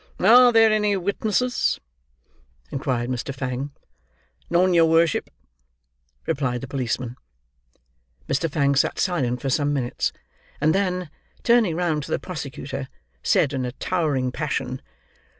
"Are there any witnesses?" inquired Mr. Fang. "None, your worship," replied the policeman. Mr. Fang sat silent for some minutes, and then, turning round to the prosecutor, said in a towering passion.